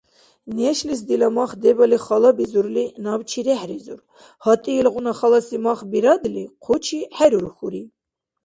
Нешлис дила мах дебали халабизурли, набчи рехӀризур: «ГьатӀи илгъуна халаси мах бирадли, хъучи хӀерурхьури».